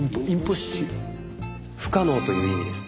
「不可能」という意味です。